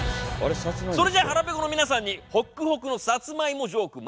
それじゃ腹ぺこの皆さんにホックホクのサツマイモジョーク。